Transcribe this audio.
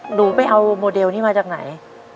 หนูไปเอาโมเดลนี้มาจากไหน